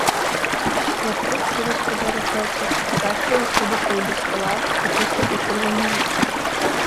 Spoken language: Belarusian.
Хлапчук, гаспадар у хаце, пакашляў, падышоў да стала, густа пачырванеў.